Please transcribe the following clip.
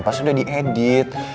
pas udah diedit